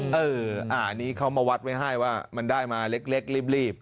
อันนี้เขามาวัดไว้ให้ว่ามันได้มาเล็กรีบ